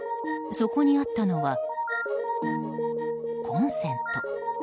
そこにあったのは、コンセント。